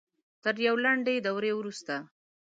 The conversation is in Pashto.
تر یوې لنډې دورې وروسته